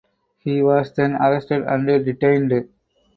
He was then arrested and detained.